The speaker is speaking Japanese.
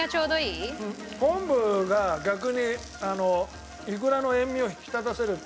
昆布が逆にいくらの塩味を引き立たせるっていうか。